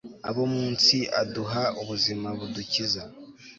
abo mu nsi aduha ubuzima budukiza